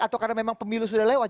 atau karena memang pemilu sudah lewat